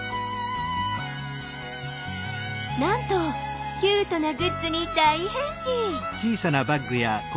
なんとキュートなグッズに大変身！